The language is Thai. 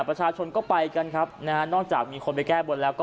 ประชาชนก็ไปกันครับนะฮะนอกจากมีคนไปแก้บนแล้วก็